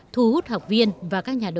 thu hút học viên và các nhà đầu tư